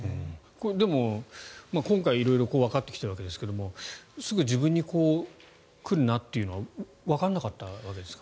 でも、今回色々わかってきたわけですがすぐ自分に来るなというのはわからなかったわけですかね。